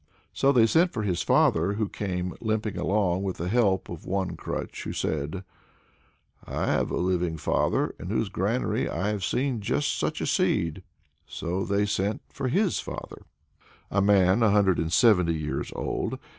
So they sent for his father, who came limping along with the help of one crutch, and who said: "I have a father living, in whose granary I have seen just such a seed." So they sent for his father, a man a hundred and seventy years old.